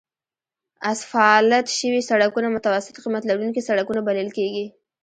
اسفالت شوي سړکونه متوسط قیمت لرونکي سړکونه بلل کیږي